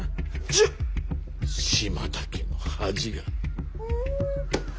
１０！島田家の恥が。